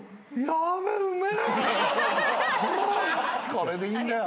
これでいいんだよ。